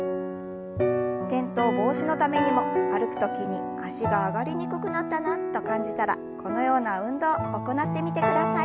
転倒防止のためにも歩く時に脚が上がりにくくなったなと感じたらこのような運動行ってみてください。